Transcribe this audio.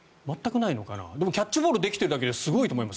でもキャッチボールできているだけですごいと思います。